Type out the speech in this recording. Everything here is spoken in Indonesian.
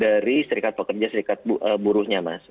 dari serikat pekerja serikat buruhnya mas